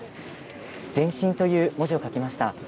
「前進」という文字を書きました。